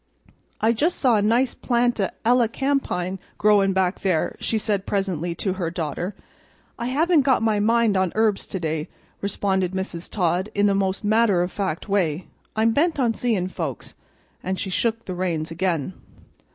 "I just saw a nice plant o' elecampane growin' back there," she said presently to her daughter. "I haven't got my mind on herbs to day," responded Mrs. Todd, in the most matter of fact way. "I'm bent on seeing folks," and she shook the reins again.